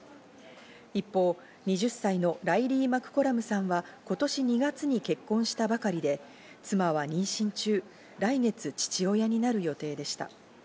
一方、２０歳のライリー・マクコラムさんは今年２月に結婚したばかりで、妻は妊娠中、来月父親になる予定でした。